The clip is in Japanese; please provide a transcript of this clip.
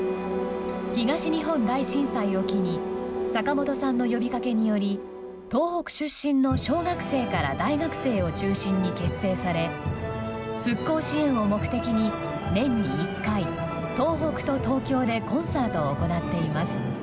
東日本大震災を機に坂本さんの呼びかけにより東北出身の小学生から大学生を中心に結成され復興支援を目的に年に１回、東北と東京でコンサートを行っています。